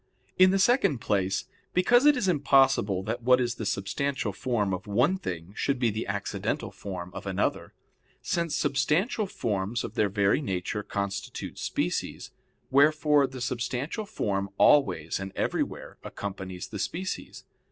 In the second place, because it is impossible that what is the substantial form of one thing should be the accidental form of another; since substantial forms of their very nature constitute species: wherefore the substantial form always and everywhere accompanies the species.